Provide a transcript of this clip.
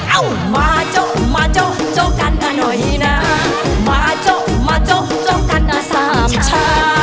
เอ้ามาเจ้ามาเจ้าเจ้ากันหน่อยนะมาเจ้ามาเจ้าเจ้ากันสามชา